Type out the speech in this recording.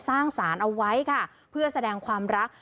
สารเอาไว้ค่ะเพื่อแสดงความรัก